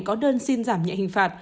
có đơn xin giảm nhẹ hình phạt